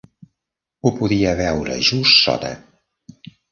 Ho podia veure just sota.